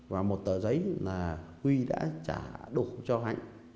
và một tờ giấy là huy đã trả đủ cho hạnh